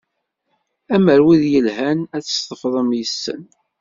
Amer wid yelhan ad tt-ṣefḍem yes-sen.